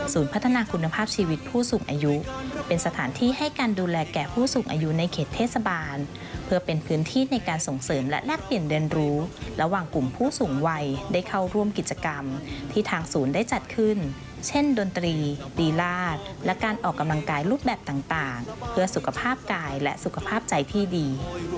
พัฒนาคุณภาพชีวิตผู้สูงอายุเป็นสถานที่ให้การดูแลแก่ผู้สูงอายุในเขตเทศบาลเพื่อเป็นพื้นที่ในการส่งเสริมและแลกเปลี่ยนเรียนรู้ระหว่างกลุ่มผู้สูงวัยได้เข้าร่วมกิจกรรมที่ทางศูนย์ได้จัดขึ้นเช่นดนตรีดีราชและการออกกำลังกายรูปแบบต่างเพื่อสุขภาพกายและสุขภาพใจที่ดี